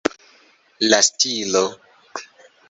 La stilo.